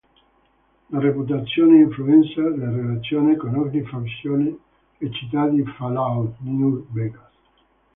La reputazione influenza le relazioni con ogni fazione e città di "Fallout: New Vegas".